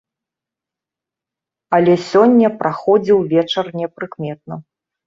Але сёння праходзіў вечар непрыкметна.